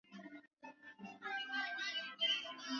tutambue sisi wasanii kwamba tunapo